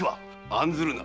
案ずるな。